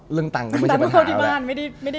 เรื่องตังก็เข้าที่บ้านไม่ได้ดูเอง